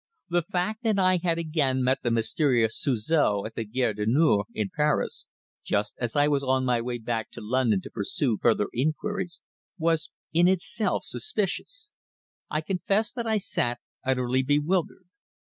The fact that I had again met the mysterious Suzor at the Gare du Nord, in Paris, just as I was on my way back to London to pursue further inquiries was, in itself, suspicious. I confess that I sat utterly bewildered.